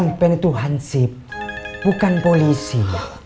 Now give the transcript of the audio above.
pemimpin itu hansip bukan polisi